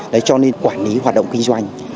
đấy cho nên quản lý hoạt động kinh doanh